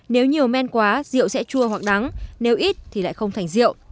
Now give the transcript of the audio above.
nếu nhiều men quá rượu sẽ chua hoặc đắng nếu ít thì lại không thành rượu